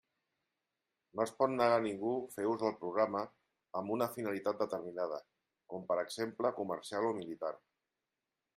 No es pot negar a ningú fer ús del programa amb una finalitat determinada, com per exemple comercial o militar.